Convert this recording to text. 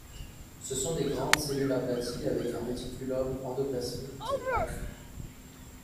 Ce sont des grandes cellules aplaties avec un réticulum endoplasmique accru.